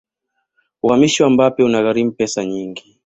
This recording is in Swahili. uhamisho wa mbappe una gharimu pesa nyingi